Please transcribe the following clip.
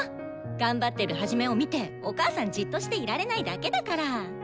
頑張ってるハジメを見てお母さんじっとしていられないだけだから！